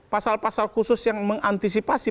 pasal pasal khusus yang mengantisipasi